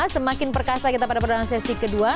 semakin perkasa kita pada perjalanan sesi ke dua